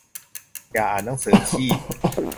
อย่าอ่านหนังสือขี้